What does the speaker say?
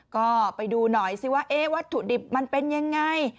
ก็ไปดูหน่อยซิว่าวัตถุดิบมันเป็นยังไง